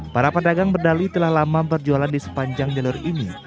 para pedagang berdali telah lama berjualan di sepanjang jalur ini